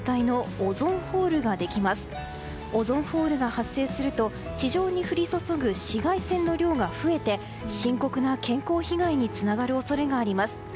オゾンホールが発生すると地上に降り注ぐ紫外線の量が増えて深刻な健康被害につながる恐れがあります。